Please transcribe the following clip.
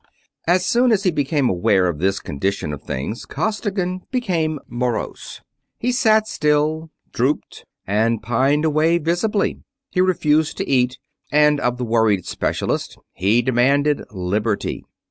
As soon as he became aware of this condition of things Costigan became morose. He sat still, drooped, and pined away visibly. He refused to eat, and of the worried specialist he demanded liberty.